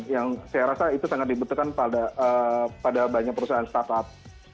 yang saya rasa itu sangat dibutuhkan pada banyak perusahaan startup